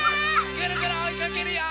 ぐるぐるおいかけるよ！